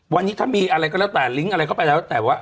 วันนี้ถ้ามีอะไรก็แล้วแต่ลิงก์อะไรเข้าไปแล้วแต่ว่า